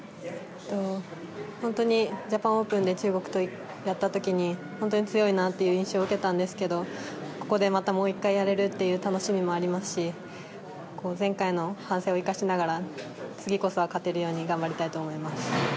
本当にジャパンオープンで中国とやった時に本当に強いなという印象を受けたんですけどここでまたもう１回やれるという楽しみもありますし前回の反省を生かしながら次こそは勝てるように頑張りたいと思います。